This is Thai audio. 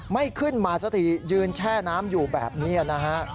ไม่ขึ้นมาสักทียืนแช่น้ำอยู่แบบนี้นะฮะ